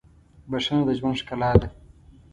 • بښنه د ژوند ښکلا ده.